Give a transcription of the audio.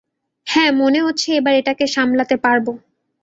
হ্যাঁ, মনে হচ্ছে এবার এটাকে সামলাতে পারব!